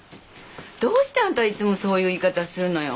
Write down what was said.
どうしてあんたはいつもそういう言い方するのよ。